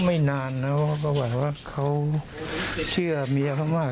ก็ไม่นานแล้วเพราะว่าเค้าเชื่อเมียเขามาก